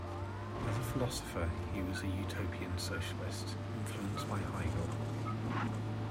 As a philosopher he was an utopian socialist, influenced by Hegel.